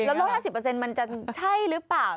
แล้วลด๕๐มันจะใช่หรือเปล่า